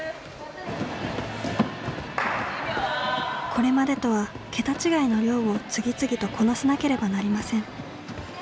これまでとは桁違いの量を次々とこなさなければなりません。